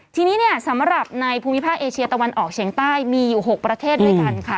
ทีนี้เนี่ยสำหรับในภูมิภาคเอเชียตะวันออกเฉียงใต้มีอยู่๖ประเทศด้วยกันค่ะ